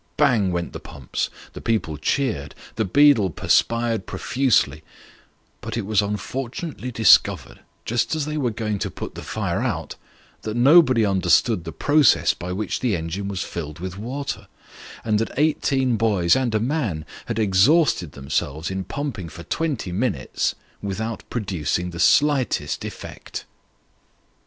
Bang went the pumps the people cheered the beadle perspired profusely ; but it was unfortunately discovered, just as they were going to put the fire out, that nobody understood the process by which the engine was filled with water ; and that eighteen boys, and a man, had exhausted themselves in pumping for twenty minutes without producing the slightest effect